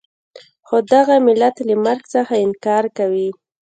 خو دغه ملت له مرګ څخه انکار کوي.